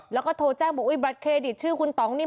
แล้วก็โทรแจ้งบอกบัตรเครดิตชื่อคุณตองนี่